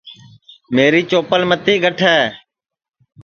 میری چوپل متی گٹھے